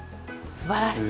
すばらしい！